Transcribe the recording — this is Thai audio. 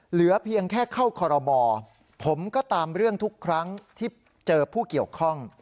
เหลือเพียงแค่เข้าคอรมอผมก็ตามเรื่องทุกครั้งที่เจอผู้เกี่ยวข้อง